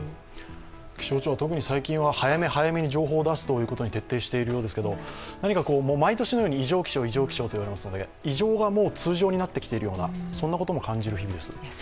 気象庁は特に最近は早め早めに情報を出すように徹底しているようですけれども、何か毎年のように異常気象、異常気象と言われますので、異常が通常になってきているようなことも感じる日々です。